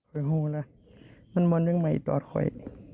โอ้โฮนะมันมอนเรื่องใหม่ตรอดคอย